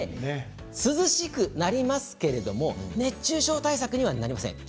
涼しくなりますけれども熱中症対策にはなりません。